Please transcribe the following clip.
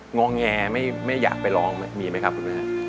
งอแงไม่อยากไปร้องมีไหมครับคุณแม่